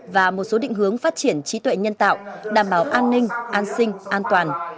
và một số định hướng phát triển trí tuệ nhân tạo đảm bảo an ninh an sinh an toàn